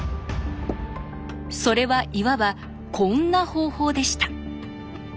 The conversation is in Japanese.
それはいわばこんな方法でした。